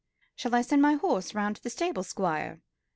"Shall I send my horse round to the stables, Squire?"